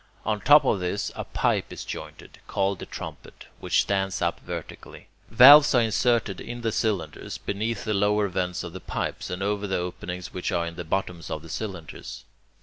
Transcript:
On top of this a pipe is jointed, called the trumpet, which stands up vertically. Valves are inserted in the cylinders, beneath the lower vents of the pipes, and over the openings which are in the bottoms of the cylinders.